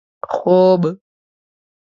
خوب